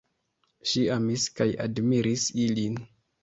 Ŝi amis kaj admiris ilin.